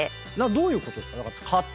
どういうことっすか？